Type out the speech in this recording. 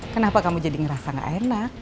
kenapa kamu jadi ngerasa gak enak